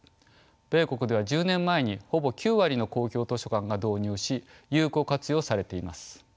米国では１０年前にほぼ９割の公共図書館が導入し有効活用されています。